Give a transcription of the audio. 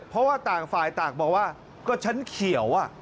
เพราะว่าต่างฝ่ายต่างบอกว่าก็ฉันเขียว